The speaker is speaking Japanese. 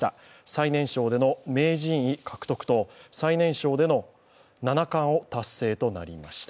最年少での名人位獲得と最年少での七冠を達成となりました。